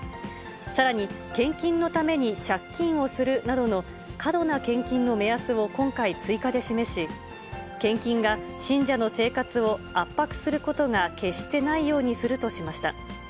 さらに献金のために借金をするなどの過度な献金の目安を今回追加で示し、献金が信者の生活を圧迫することが決してないようにするとしました。